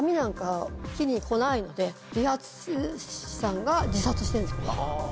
ので理髪師さんが自殺してるんです。